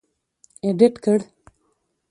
اېډېټ کړ.